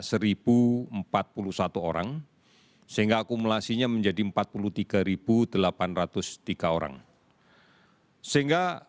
kami telah melaksanakan pemeriksaan spesimen pada hari ini sebanyak dua puluh tujuh ratus tujuh belas